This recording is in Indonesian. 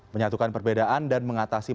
menyatukan perbedaan dan mengatasi